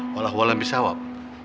walau walau yang bisa wab